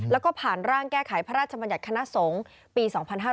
แล้วก็ผ่านร่างแก้ไขพระราชบัญญัติคณะสงฆ์ปี๒๕๕๙